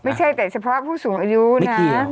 ไม่ใช่แต่เฉพาะผู้สูงอายุนะ